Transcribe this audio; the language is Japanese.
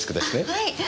はい。